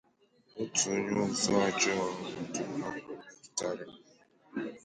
otu onye ọzọ ajọ ọnọdụ ahụ metụtara